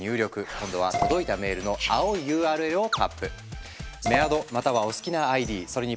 今度は届いたメールの青いＵＲＬをタップ。